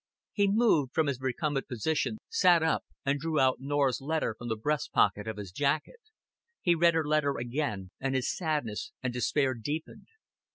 He moved from his recumbent position, sat up, and drew out Norah's letter from the breast pocket of his jacket. He read her letter again, and his sadness and despair deepened.